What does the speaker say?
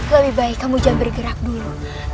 lebih baik kamu jangan bergerak dulu